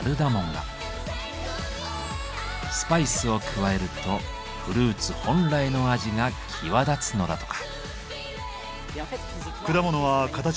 スパイスを加えるとフルーツ本来の味が際立つのだとか。